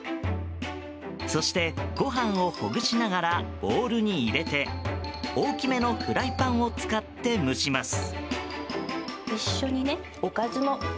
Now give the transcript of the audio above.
そして、ご飯をほぐしながらボウルに入れて大きめのフライパンを使って蒸します。